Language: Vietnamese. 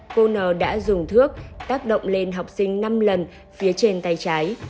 cô n đã dùng thước tác động lên học sinh năm lần phía trên tay trái